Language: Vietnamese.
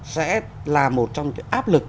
sẽ là một trong cái áp lực